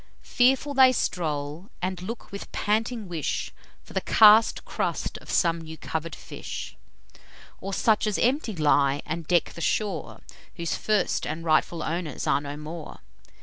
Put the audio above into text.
Fearful they stroll, and look with panting wish For the cast crust of some new cover'd fish; Or such as empty lie, and deck the shore, Whose first and rightful owners are no more.